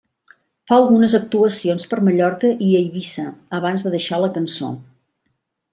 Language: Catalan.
Fa algunes actuacions per Mallorca i Eivissa abans de deixar la Cançó.